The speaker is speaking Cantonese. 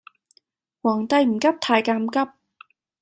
皇帝唔急太監急